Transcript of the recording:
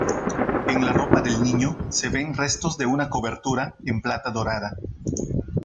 En la ropa del niño se ven restos de una cobertura en plata dorada.